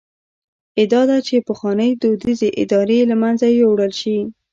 ادعا ده چې پخوانۍ دودیزې ادارې له منځه یووړل شي.